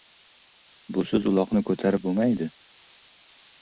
Busiz uloqni ko‘tarib bo‘lmaydi.